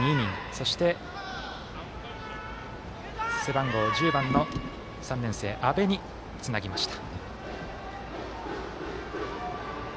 そして、背番号１０番の３年生、阿部につなぎました。